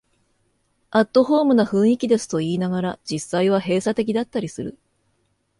アットホームな雰囲気ですと言いながら、実際は閉鎖的だったりする